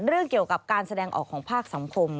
เรื่องเกี่ยวกับการแสดงออกของภาคสังคม